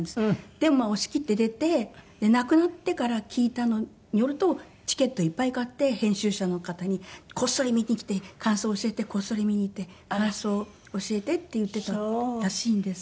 でも押し切って出て亡くなってから聞いたのによるとチケットいっぱい買って編集者の方に「こっそり見て来て感想教えて」「こっそり見に行って感想教えて」って言っていたらしいんです。